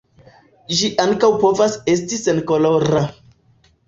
Ĝi ankaŭ povas esti senkolora.